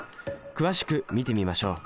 詳しく見てみましょう。